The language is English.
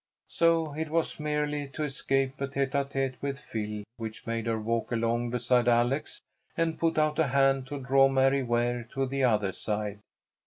So it was merely to escape a tête à tête with Phil which made her walk along beside Alex, and put out a hand to draw Mary Ware to the other side.